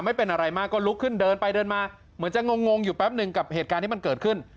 ไม่เป็นอะไรมากก็ลุกขึ้นเดินไปเดินมาเหมือนจะงงอยู่แป๊บหนึ่งกับเหตุการณ์ที่มันเกิดขึ้น